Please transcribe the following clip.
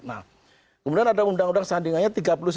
nah kemudian ada undang undang sandingahnya tiga puluh sembilan